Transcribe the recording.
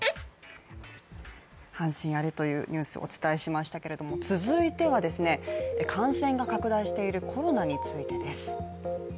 阪神、アレというニュース、お伝えしましたが続いては感染が拡大しているコロナについてです。